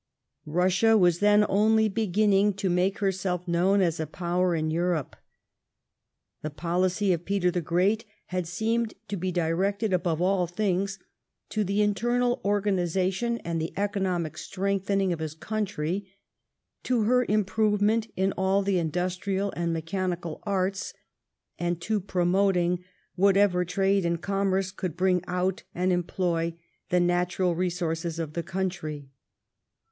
Eussia was then only beginning to make herself known as a 1707 CZAR PETER AND MARLBOROUGH. 3 power in Europe. The policy of Peter the Great had seemed to be directed, above all things, to the internal organisation and the economic strengthen ing of his country, to her improvement in all the industrial and mechanical arts, and to promoting whatever trade and commerce could bring out and employ the natural resources of the country.